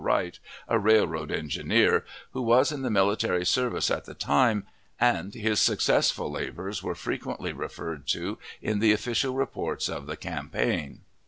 Wright, a railroad engineer, who was in the military service at the time, and his successful labors were frequently referred to in the official reports of the campaign.